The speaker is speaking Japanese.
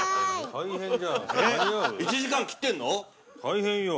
◆大変よ。